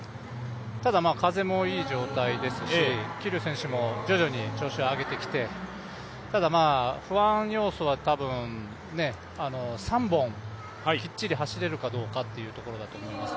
ただ、風もいい状態ですし桐生選手も徐々に調子を上げてきて、ただ不安要素は多分、３本きっちり走れるかどうかってところだと思います。